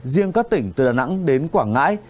riêng các tỉnh từ đà nẵng đến quảng ngãi